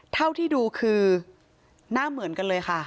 เท่าที่ดูคือหน้าเหมือนกันเลยค่ะ